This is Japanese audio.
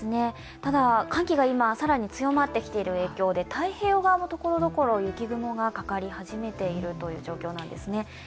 ただ、寒気が今、更に強まってきている影響で、太平洋側もところどころ雪雲がかかり始めている状況なんですね。